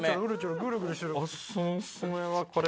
これ？